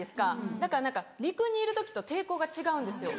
だから何か陸にいる時と抵抗が違うんですよ。